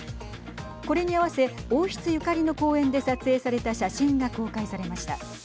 これに合わせ王室ゆかりの公園で撮影された写真が公開されました。